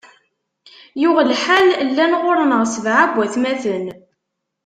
Yuɣ lḥal, llan ɣur-neɣ sebɛa n watmaten.